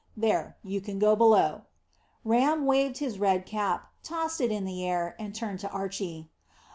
"There; you can go below." Ram waved his red cap, tossed it in the air, and turned to Archy.